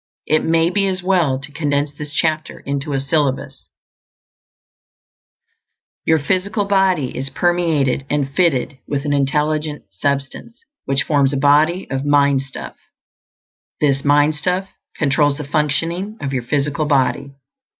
It may be as well to condense this chapter into a syllabus: _Your physical body is permeated and fitted with an Intelligent Substance, which forms a body of mind stuff. This mind stuff controls the functioning of your physical body.